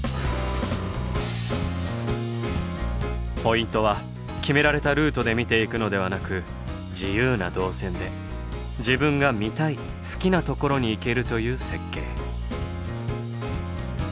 ポイントは決められたルートで見ていくのではなく自由な導線で自分が見たい好きなところに行けるという設計。